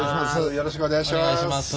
よろしくお願いします。